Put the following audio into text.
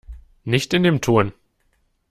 Nicht in dem Ton!